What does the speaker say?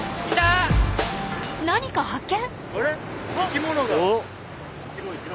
何か発見？